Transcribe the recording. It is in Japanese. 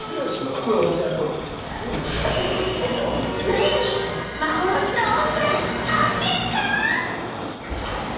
ついに幻の温泉発見か！？